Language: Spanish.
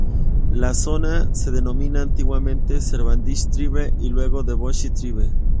La zona se denominaba antiguamente "Cavendish Tribe" y luego "Devonshire Tribe".